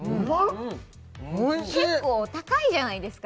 おいしい結構高いじゃないですか